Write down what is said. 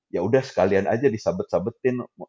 ya udah sekalian aja disabet sabetin